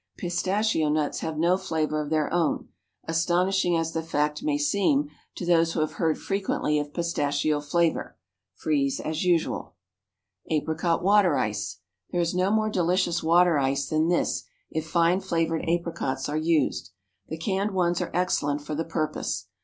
(Pistachio nuts have no flavor of their own, astonishing as the fact may seem to those who have heard frequently of pistachio flavor.) Freeze as usual. Apricot Water Ice. There is no more delicious water ice than this if fine flavored apricots are used. The canned ones are excellent for the purpose.